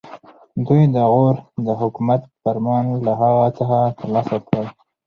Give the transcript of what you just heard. دوی د غور د حکومت فرمان له هغه څخه ترلاسه کړ.